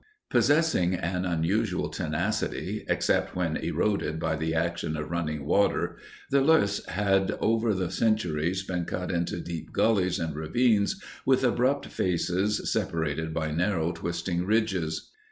Possessing an unusual tenacity, except when eroded by the action of running water, the loess had over the centuries been cut into deep gullies and ravines with abrupt faces separated by narrow, twisting ridges.